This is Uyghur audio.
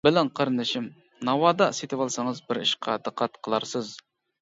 بىلىك قېرىندىشىم، ناۋادا سېتىۋالسىڭىز بىر ئىشقا دىققەت قىلارسىز.